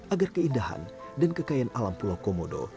agar keindahan dan kekayaan alam pulau komodo